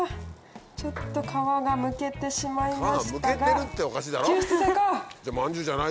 ちょっと皮がむけてしまいましたが救出成功！